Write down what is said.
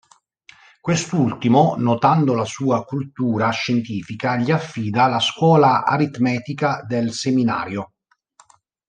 Quest'ultimo, notando la sua cultura scientifica, gli affida la scuola aritmetica del Seminario.